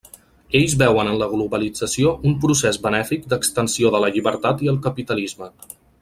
Ells veuen en la globalització un procés benèfic d'extensió de la llibertat i el capitalisme.